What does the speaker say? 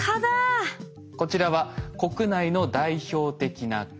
こちらは国内の代表的な蚊。